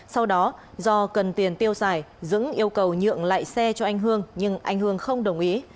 sau đó do cần tiền tiêu xài dững yêu cầu nhượng lại xe cho anh hương nhưng anh hương không đồng ý